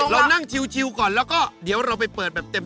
เรานั่งชิวก่อนแล้วก็เดี๋ยวเราไปเปิดแบบเต็ม